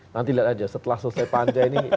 nanti lihat aja setelah selesai panja ini